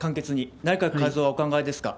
内閣改造はお考えですか？